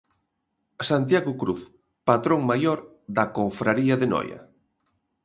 Santiago Cruz Patrón maior da Confraría de Noia.